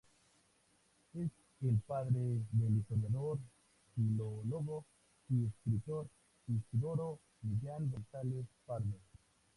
Es el padre del historiador, filólogo y escritor Isidoro Millán González-Pardo.